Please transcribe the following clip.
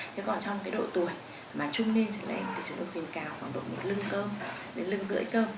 thế còn trong cái độ tuổi mà trung nên trở lên thì chúng tôi khuyên cáo khoảng độ một lưng cơm đến lưng rưỡi cơm